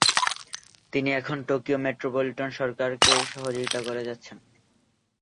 তিনি এখন Tokyo metropolitan সরকারকে সহযোগিতা করে যাচ্ছেন।